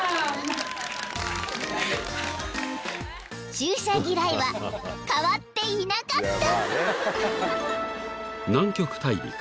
［注射嫌いは変わっていなかった］